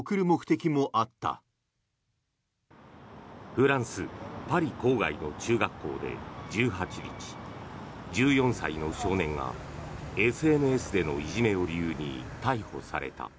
フランス・パリ郊外の中学校で１８日１４歳の少年が、ＳＮＳでのいじめを理由に逮捕された。